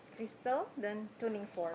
crystal dan tuning fork